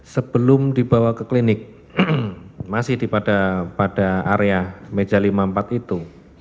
sebelum dibawa ke klinik masih pada area meja lima puluh empat itu